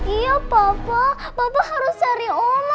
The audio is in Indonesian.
iya papa papa harus cari oma